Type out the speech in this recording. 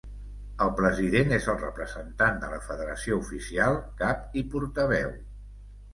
El president és el representant de la Federació oficial cap i portaveu.